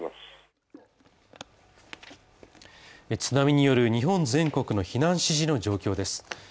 津波による日本全国の避難指示の状況です。